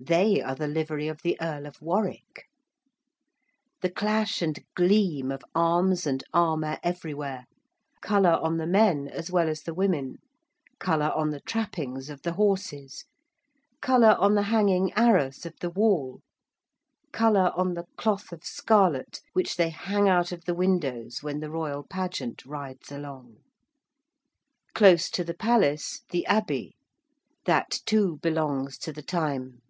They are the Livery of the Earl of Warwick. The clash and gleam of arms and armour everywhere: colour on the men as well as the women: colour on the trappings of the horses: colour on the hanging arras of the wall: colour on the cloth of scarlet which they hang out of the windows when the royal pageant rides along. Close to the Palace, the Abbey. That too belongs to the time.